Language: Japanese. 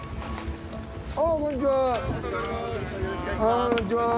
ああこんにちは。